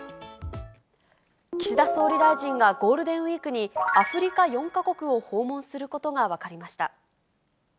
岸田総理大臣がゴールデンウィークに、アフリカ４か国を訪問することが分かりました。